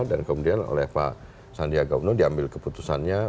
dan kemudian oleh pak sandiaga uno diambil keputusannya